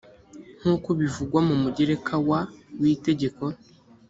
nk uko bivugwa mu mugereka wa w itegeko